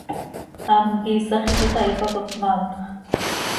Am quih iisax iiqui itahípacot, maanpx.